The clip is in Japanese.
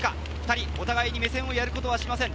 ２人、お互いに目線をやることはしません。